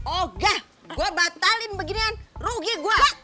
oke gue batalin beginian rugi gue